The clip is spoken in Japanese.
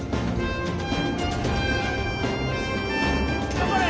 頑張れ！